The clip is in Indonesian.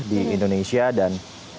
di indonesia dan